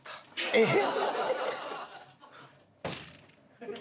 えっ？